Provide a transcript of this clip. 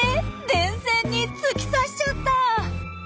電線に突き刺しちゃった！